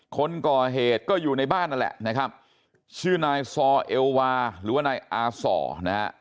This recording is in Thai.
คนก่อเหตุก็อยู่ในบ้านนั่นแหละนะครับชื่อนายซอเอลวาหรือว่านายอาส่อนะฮะ